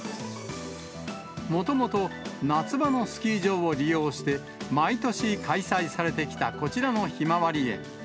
もともと夏場のスキー場を利用して、毎年開催されてきたこちらのひまわり園。